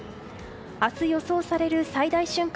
明日予想される最大瞬間